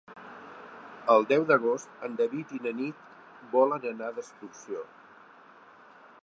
El deu d'agost en David i na Nit volen anar d'excursió.